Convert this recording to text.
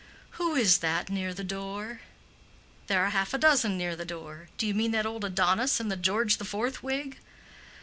"Who is that near the door?" "There are half a dozen near the door. Do you mean that old Adonis in the George the Fourth wig?"